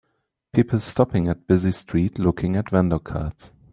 People stopping at busy street looking at vendor carts